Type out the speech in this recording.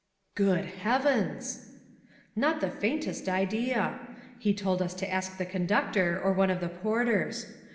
"Good heavens!" "Not the faintest idea. He told us to ask the conductor or one of the porters.